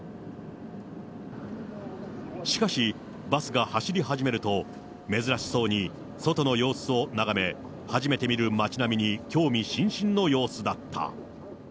しかし、バスが走り始めると珍しそうに外の様子を眺め、初めて見る街並みに興味津々の様子だった。